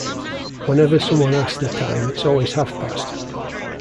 Whenever someone asks the time it's always half-past.